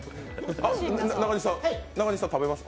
中西さん食べます？